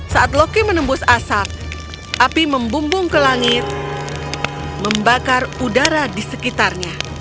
saat loki menembus asap api membumbung ke langit membakar udara di sekitarnya